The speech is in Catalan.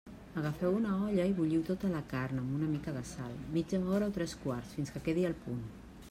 Agafeu una olla i bulliu tota la carn, amb una mica de sal, mitja hora o tres quarts fins que quedi al punt.